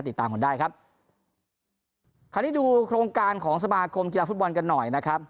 ติดตามกันได้ครับคราวนี้ดูโครงการของสมาคมกีฬาฟุตบอลกันหน่อยนะครับ